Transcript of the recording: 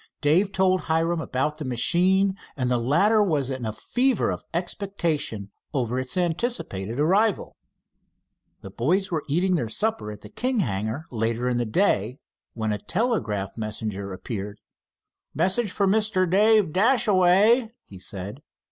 Dave told Hiram about the machine, and the hitter was in a fever of expectation over its anticipated arrival. The boys were eating their supper at the King hangar later in the day, when a telegraph messenger appeared. "Message for Mr. Dave Dashaway," he said.